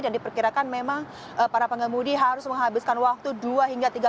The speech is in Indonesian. dan diperkirakan memang para pengemudi harus menghabiskan waktu dua hingga tiga jam